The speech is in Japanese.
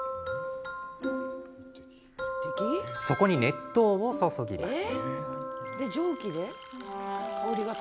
そこに熱湯を注ぎます。